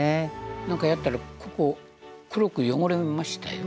なんかやったらここ黒く汚れましたよ。